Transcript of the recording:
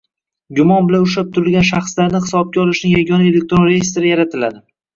Gumon bilan ushlab turilgan shaxslarni hisobga olishning yagona elektron reyestri yaratiladi.